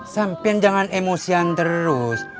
sampian jangan emosian terus